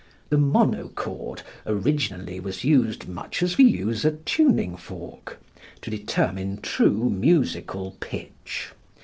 The monochord originally was used much as we use a tuning fork, to determine true musical pitch.